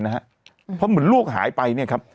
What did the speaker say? เพราะเหมือนลูกหายไป